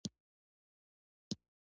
دا ماڼۍ له لرغوني تاریخ او غرور څخه ډکه ده.